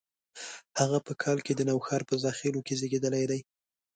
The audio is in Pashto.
هغه په کال کې د نوښار په زاخیلو کې زیږېدلي دي.